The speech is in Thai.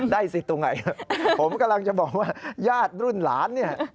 สิตรงไหนผมกำลังจะบอกว่าญาติรุ่นหลานเนี่ย